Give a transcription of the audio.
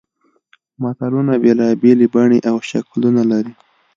متلونه بېلابېلې بڼې او شکلونه لري